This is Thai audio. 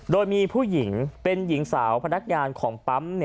โดยมีผู้หญิงเป็นหญิงสาวพนักงานของปั๊ม